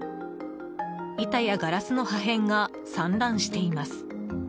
板やガラスの破片が散乱しています。